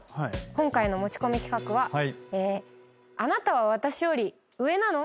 今回の持ち込み企画はあなたは私より上なの？